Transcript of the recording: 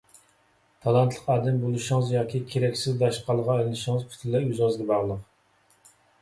تالانتلىق ئادەم بولۇشىڭىز ياكى كېرەكسىز داشقالغا ئايلىنىشىڭىز پۈتۈنلەي ئۆزىڭىزگە باغلىق.